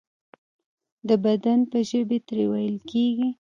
د بدن په ژبې ترې ویل کیږي.